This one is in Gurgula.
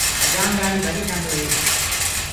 هجآم ڏآڙهي ڀلي ٺآندو هي۔